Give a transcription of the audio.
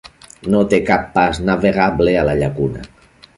No té cap pas navegable a la llacuna.